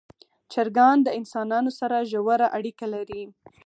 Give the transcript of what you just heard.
چرګان د انسانانو سره ژوره اړیکه لري.